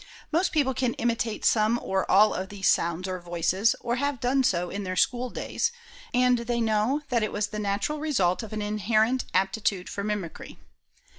Most people can imitate some or all of these sounds or voices, or have done so in their schooldays; and they know that it was the natural result of an inherent aptitude for mimicry.